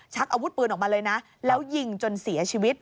อาวุธปืนออกมาเลยนะแล้วยิงจนเสียชีวิต